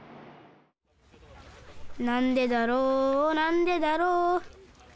「なんでだろうなんでだろう」